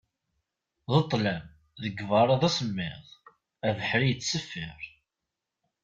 D ṭlam, deg berra d asemmiḍ, abeḥri yettseffir.